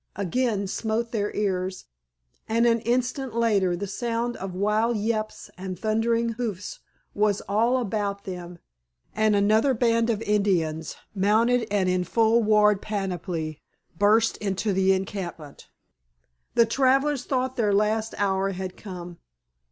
again smote upon their ears, and an instant later the sound of wild yelps and thundering hoofs was all about them, and another band of Indians, mounted and in full war panoply, burst into the encampment. The travelers thought their last hour had come.